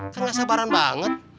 kan tidak sabaran banget